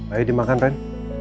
ayo dimakan ren